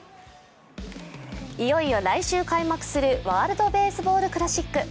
いよいよ来週開幕するワールドベースボールクラシック。